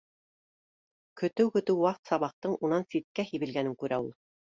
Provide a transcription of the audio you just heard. Көтөү-көтөү ваҡ сабаҡтың унан ситкә һибелгәнен күрә ул